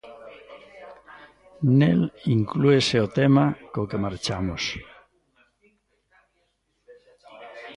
Nel inclúese o tema co que marchamos.